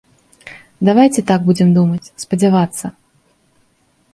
Давайце так будзем думаць, спадзявацца.